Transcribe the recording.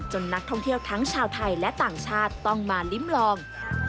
นักท่องเที่ยวทั้งชาวไทยและต่างชาติต้องมาลิ้มลอง